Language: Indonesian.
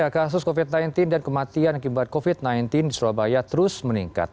kasus covid sembilan belas dan kematian akibat covid sembilan belas di surabaya terus meningkat